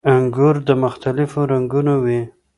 • انګور د مختلفو رنګونو وي.